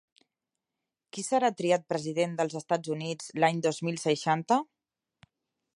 Qui serà triat president dels Estats Units l'any dos mil seixanta?